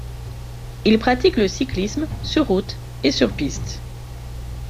Il pratique le cyclisme sur route et sur piste.